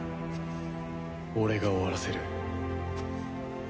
俺が終わらせる